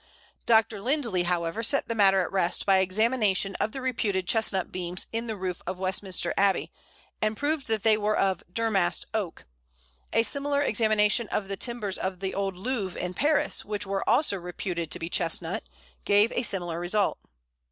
Dr. Lindley, however, set the matter at rest by examination of the reputed Chestnut beams in the roof of Westminster Abbey, and proved that they were of Durmast Oak. A similar examination of the timbers of the old Louvre in Paris, which were also reputed to be Chestnut, gave a similar result.